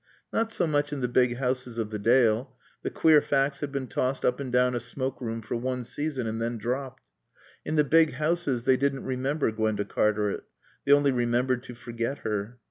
Not so much in the big houses of the Dale. The queer facts had been tossed up and down a smokeroom for one season and then dropped. In the big houses they didn't remember Gwenda Cartaret. They only remembered to forget her.